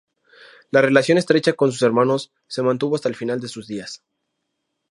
La relación estrecha con sus hermanos se mantuvo hasta el final de sus días.